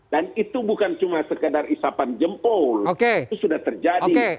dan itu bukan sekadar isapan jempol itu sudah terjadi